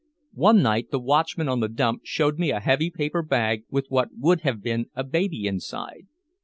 One night the watchman on the dump showed me a heavy paper bag with what would have been a baby inside.